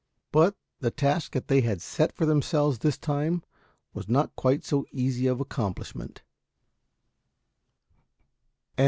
But the task they had set for themselves this time, was not quite so easy of accomplishment.